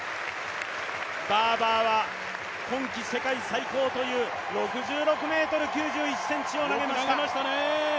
バーバーは今季世界最高という６６ｍ９１ｃｍを投げました。